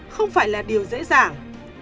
không phải là điều dễ dàng